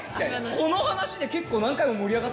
この話で結構何回も盛り上がってるんですよ。